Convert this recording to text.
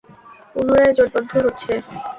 পুনরায় জোটবদ্ধ হচ্ছে।